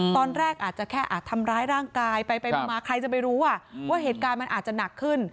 ตอนแรกอาจจะแค่อาจทำร้ายร่างกายไปมาใครจะไปรู้ว่าเหตุการณ์มันอาจจะหนักขึ้น